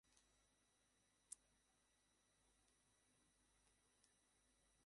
তবু চলতি সপ্তাহে কথাটি আপনাকে মনে করিয়ে দেওয়া প্রয়োজন বলে মনে করলাম।